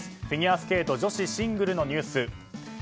フィギュアスケート女子シングルのニュース。